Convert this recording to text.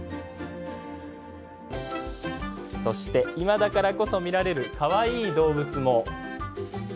そして、今だからこそ見られるかわいい動物も。